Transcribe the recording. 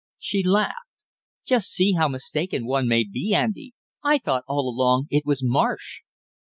She laughed. "Just see how mistaken one may be, Andy; I thought all along it was Marsh!"